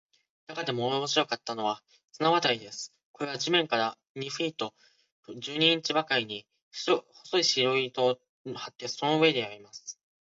なかでも面白かったのは、綱渡りです。これは地面から二フィート十二インチばかりに、細い白糸を張って、その上でやります。